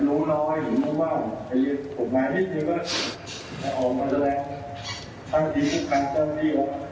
แต่น้องน้อยหลุมงว้างใกล้ฝุกงานฮิตเหลือก็ได้